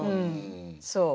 そう。